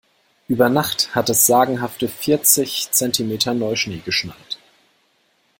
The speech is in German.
Über Nacht hat es sagenhafte vierzig Zentimeter Neuschnee geschneit.